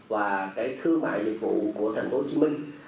và thương mại liệt vụ của thành phố hồ chí minh